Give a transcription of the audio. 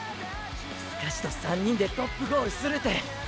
スカシと３人でトップゴールするて。